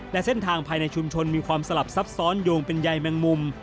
และเส้นทางภายในชุมชนมีความสลับซับซ้อนโยงเป็นใยแมงมุม